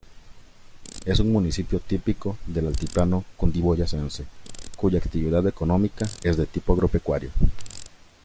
Es un municipio típico del altiplano cundiboyacense, cuya actividad económica es de tipo agropecuario.